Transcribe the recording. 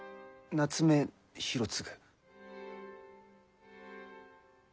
夏目広次。